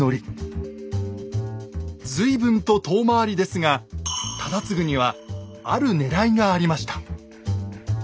随分と遠回りですが忠次にはあるねらいがありました